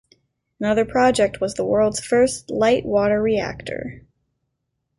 Another project was the world's first light water reactor.